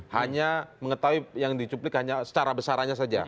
hanya mengetahui yang dicuplik hanya secara besarannya saja